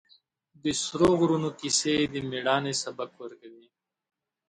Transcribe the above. د سرو غرونو کیسې د مېړانې سبق ورکوي.